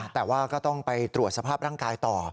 แต่ว่าก็ต้องไปตรวจสภาพร่างกายต่อ